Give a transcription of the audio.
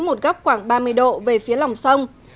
một góc khoảng ba mươi độ về phía lòng sông